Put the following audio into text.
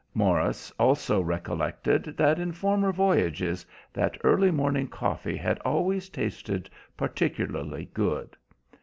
Morris also recollected that on former voyages that early morning coffee had always tasted particularly good.